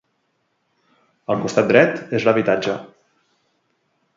El costat dret és l'habitatge.